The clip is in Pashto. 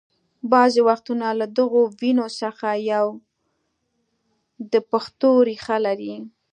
بعضې وختونه له دغو ويونو څخه یو د پښتو ریښه لري